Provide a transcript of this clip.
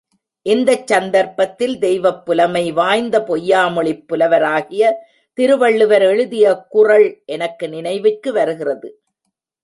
இச்சந்தர்ப்பத்தில் தெய்வப் புலமை வாய்ந்த பொய்யாமொழிப் புலவராகிய திருவள்ளுவர் எழுதிய குறள் எனக்கு நினைவிற்கு வருகிறது.